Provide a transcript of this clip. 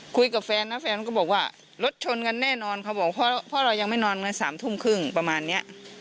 คุยกับแฟนนะแฟนก็บอกว่ารถชนกันแน่นอนเขาบอกเพราะเรายังไม่นอนกัน๓ทุ่มครึ่งประมาณเนี้ย